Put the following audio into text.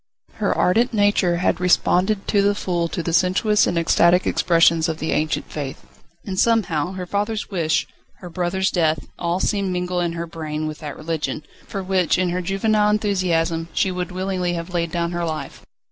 Her ardent nature had responded to the full to the sensuous and ecstatic expressions of the ancient faith. And somehow her father's wish, her brother's death, all seemed mingled in her brain with that religion, for which in her juvenile enthusiasm she would willingly have laid down her life.